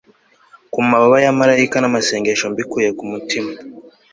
ku mababa ya malayika namasengesho mbikuye kumutima